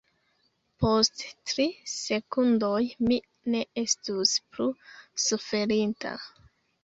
Post tri sekundoj mi ne estus plu suferinta.